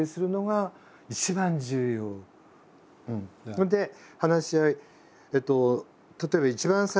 それで話し合い。